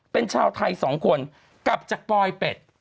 เป็นชาวไทย๒คนกลับจากปลอยเป็ด